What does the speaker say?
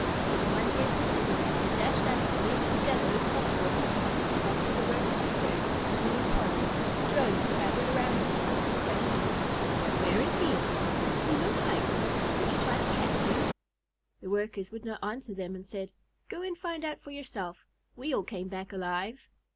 When one gave the signal, they dashed out as nearly together as possible. After the Workers returned with honey and pollen, the Drones crowded around them, asking questions. "Where is he? What does he look like? Did he try to catch you?" The Workers would not answer them, and said: "Go and find out for yourself. We all came back alive."